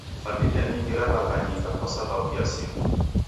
Familia nyingi raw'aghanyika kwa sababu ya simu